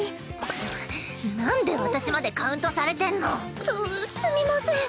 んっなんで私までカウントされてんの！すすみません。